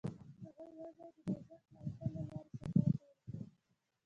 هغوی یوځای د نازک لمحه له لارې سفر پیل کړ.